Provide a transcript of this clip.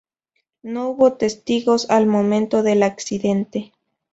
No hubo testigos al momento del accidente.